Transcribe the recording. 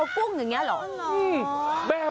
สิ